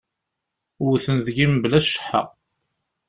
Wwten deg-i mebla cceḥḥa.